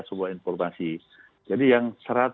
semua informasi jadi yang